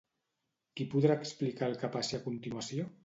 Qui podrà explicar el que passi a continuació?